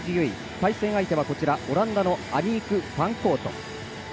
対戦相手はオランダのアニーク・ファンコート。